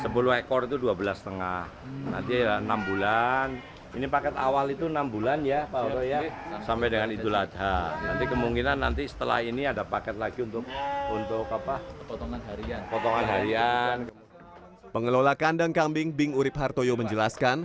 pengelola kandang kambing bing urib hartoyo menjelaskan